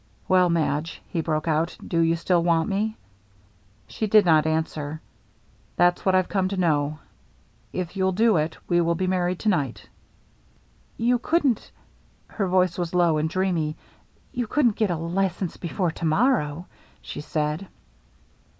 " Well, Madge/' he broke out, " do you still want me ?" She did not answer. " That's what I've come to know. If you'll do it, we will be married to night." "You couldn't —" her voice was low and dreamy. "You couldn't get a license before to morrow," she said.